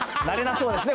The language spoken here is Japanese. そうですね？